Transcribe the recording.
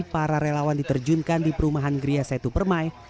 para relawan diterjunkan di perumahan gria setu permai